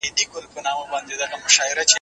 د هر څه ظاهري بڼه مه منئ.